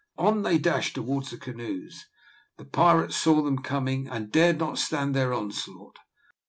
On they dashed towards the canoes. The pirates saw them coming, and dared not stand their onslaught.